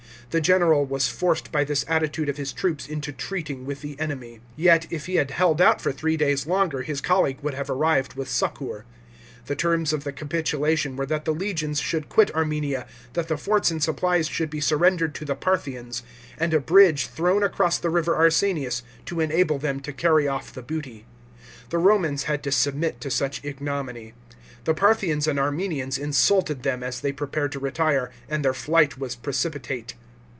The general was forced by this attitude of his troops into treating with the enemy. Yet if he had held out for three days longer his colleague would have arrived with succour. The terms of the capitulation were that the legions should quit Armenia, that the forts and supplies should be surrendered to the Parthians, and a bridge thrown across the river Arsanias to enable them to carry off the booty. The Romans had to submit to much ignominy. The Parthians and Armenians insulted them as they prepared to retire, and their flight was precipitate.